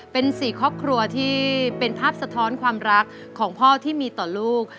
เป็น๔ครอบครัวที่เป็นภาพสะท้อนความรักของพ่อที่มีต่อลูก